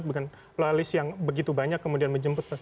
bukan lolis yang begitu banyak kemudian menjemput